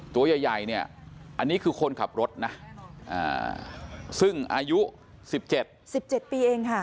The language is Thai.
ตัวใหญ่เนี่ยอันนี้คือคนขับรถนะซึ่งอายุ๑๗๑๗ปีเองค่ะ